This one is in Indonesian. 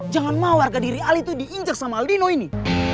jangan mau warga diri al itu diinjak sama aldino ini